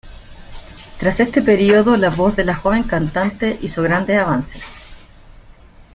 Tras este periodo la voz de la joven cantante hizo grandes avances.